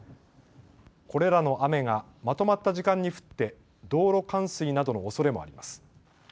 これらの雨がまとまった時間に降って道路冠水などのおそれもあります。